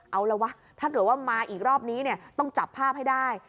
เอาละวะถ้าเกิดว่ามาอีกรอบนี้เนี่ยต้องจับภาพให้ได้